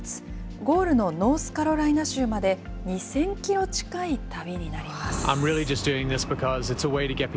ゴールのノースカロライナ州まで２０００キロ近い旅になります。